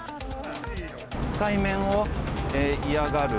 対面を嫌がる